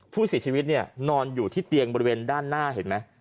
ผู้เสียชีวิตเนี่ยนอนอยู่ที่เตียงบริเวณด้านหน้าเห็นไหม